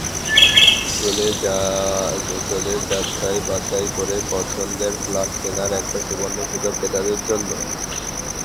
ফলে যাচাই-বাছাই করে পছন্দের ফ্ল্যাট কেনার এটা সুবর্ণ সুযোগ ক্রেতাদের জন্য।